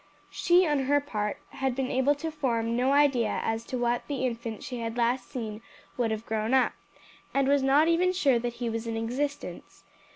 She on her part had been able to form no idea as to what the infant she had last seen would have grown up, and was not even sure that he was in existence.